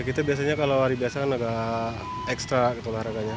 kita biasanya kalau hari biasa agak ekstra olahraganya